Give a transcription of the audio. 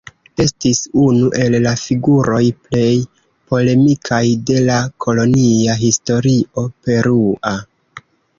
Estis unu el la figuroj plej polemikaj de la kolonia historio perua.